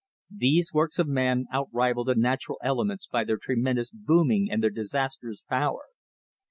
These works of man outrivalled the natural elements by their tremendous booming and their disastrous power.